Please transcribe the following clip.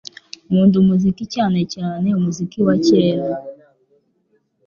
Nkunda umuziki cyane cyane umuziki wa kera